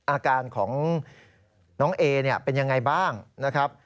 อาการของน้องเอเนี่ยเป็นยังไงบ้างนะครับ